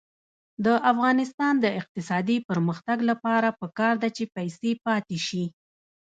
د افغانستان د اقتصادي پرمختګ لپاره پکار ده چې پیسې پاتې شي.